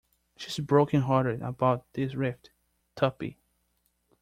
She's broken-hearted about this rift, Tuppy.